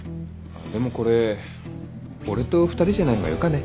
あっでもこれ俺と２人じゃない方がよかね。